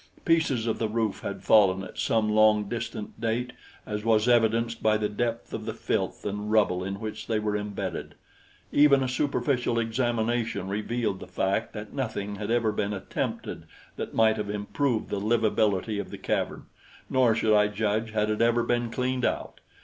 Pieces of the roof had fallen at some long distant date, as was evidenced by the depth of the filth and rubble in which they were embedded. Even a superficial examination revealed the fact that nothing had ever been attempted that might have improved the livability of the cavern; nor, should I judge, had it ever been cleaned out.